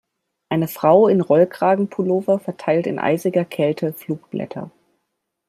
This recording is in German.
Eine Frau in Rollkragenpullover verteilt in eisiger Kälte Flugblätter.